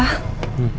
pak itu riki